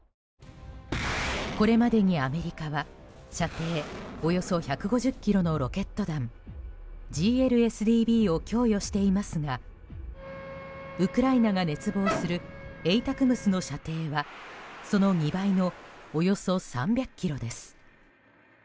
これまでに、アメリカは射程およそ１５０ｋｍのロケット弾ＧＬＳＤＢを供与していますがウクライナが熱望するＡＴＡＣＭＳの射程はその２倍のおよそ３００ｋｍです。